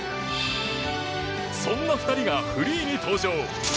そんな２人がフリーに登場。